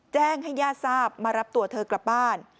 แจ้งให้ญาติทราบมารับตัวเธอกลับบ้าน